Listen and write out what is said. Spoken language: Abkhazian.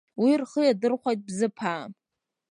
Уи рхы иадырхәеит бзыԥаа.